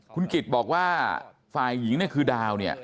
คุณกิจบอกว่าฝ่ายหญิงเนี่ยคือดาวเนี่ย